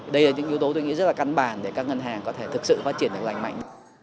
đây là những yếu tố tôi nghĩ rất là căn bản để các ngân hàng có thể thực sự phát triển được lành mạnh